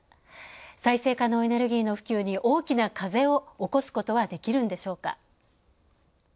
再生可能エネルギーの普及に大きな風を起こすことはできるんでしょうか。